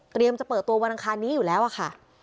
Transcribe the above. จะเปิดตัววันอังคารนี้อยู่แล้วอะค่ะ